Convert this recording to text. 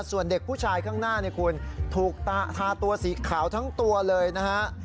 ส่วนเด็กผู้ชายข้างหน้าเนี่ยคุณถูกทาตัวสีขาวทั้งตัวเลยนะฮะ